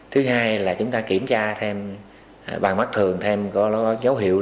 thứ hai là chúng ta kiểm tra thêm bằng mắt thường thêm có dấu hiệu